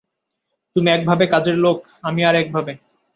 তুমি একভাবে কাজের লোক, আমি আর একভাবে।